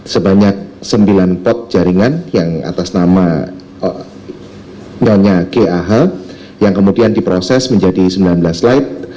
sebanyak sembilan pot jaringan yang atas nama namanya gah yang kemudian diproses menjadi sembilan belas light